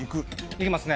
いきますね